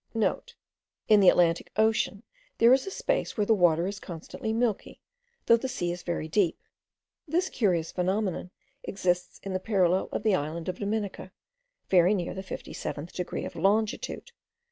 *(* In the Atlantic Ocean there is a space where the water is constantly milky, though the sea is very deep. This curious phenomenon exists in the parallel of the island of Dominica, very near the 57th degree of longitude.